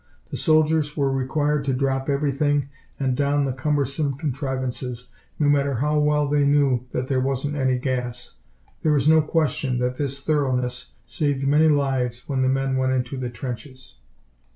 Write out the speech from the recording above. The soldiers were required to drop everything and don the cumbersome contrivances, no matter how well they knew that there wasn't any gas. There is no question that this thoroughness saved many lives when the men went into the trenches.